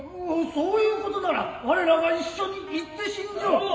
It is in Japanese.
オオそういうことなら我らが一緒に行って進じょう。